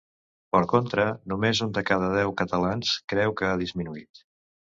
Per contra, només un de cada deu catalans creu que ha disminuït.